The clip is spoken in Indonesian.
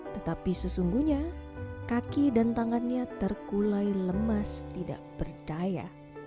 tetapi sesungguhnya kaki dan tangannya terkulai lemas tidak berdaya